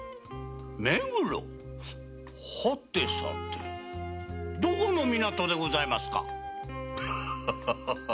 はてさてどこの港でございますか？